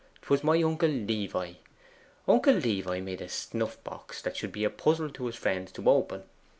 'Twas my uncle Levi. Uncle Levi made a snuff box that should be a puzzle to his friends to open.